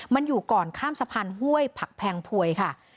มันอยู่ก่อนข้ามสะพานห้วยผักแพงพวยค่ะ